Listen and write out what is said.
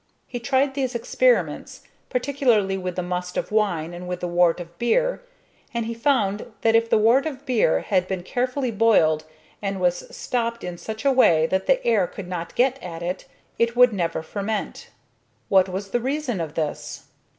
He tried these experiments, particularly with the must of wine and with the wort of beer; and he found that if the wort of beer had been carefully boiled and was stopped in such a way that the air could not get at it, it would never ferment. What was the reason of this?